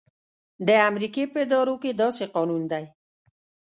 د امریکې په ادارو کې داسې قانون دی.